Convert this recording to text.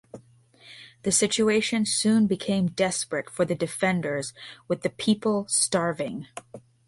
The situation soon became desperate for the defenders with the people starving.